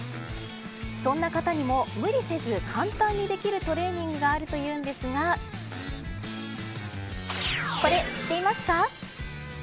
そんな方にも、無理せず簡単にできるトレーニングがあるというんですがこれ、知っていますか。